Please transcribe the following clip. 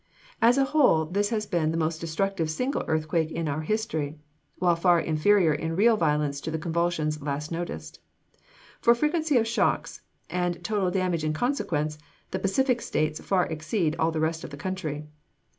As a whole, this has been the most destructive single earthquake in our history, while far inferior in real violence to the convulsions last noticed. For frequency of shocks, and total damage in consequence, the Pacific States far exceed all the rest of the country.